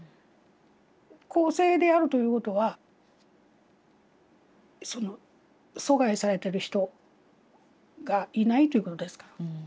公正であるということは疎外されてる人がいないということですから。